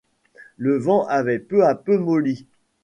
Le vent avait peu à peu molli.